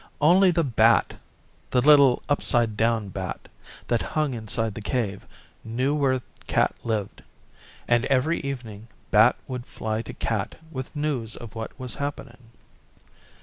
Only the Bat the little upside down Bat that hung inside the Cave, knew where Cat hid; and every evening Bat would fly to Cat with news of what was happening.